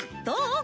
どう？